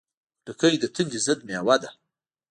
خټکی د تندې ضد مېوه ده.